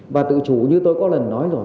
và tự chủ như tôi có lần nói rồi